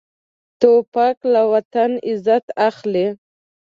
توپک له وطن عزت اخلي.